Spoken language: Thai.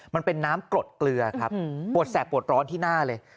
มันเป็นน้ำกรดเกลือครับปวดแสบปวดร้อนที่หน้าเลย